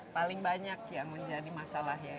paling banyak yang menjadi masalah ya